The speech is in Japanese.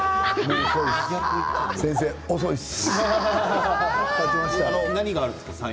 先生、遅いです。